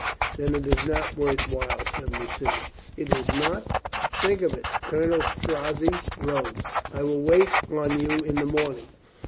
"Then it is not worth while," said Lucinda. "Is it not? Think of it." Colonel Strozzi rose. "I will wait on you in the morning.